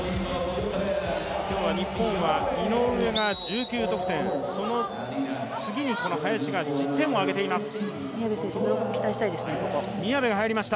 今日は日本が井上が１９得点、その次に林が１０点を挙げています。